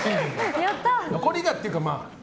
残り香っていうか。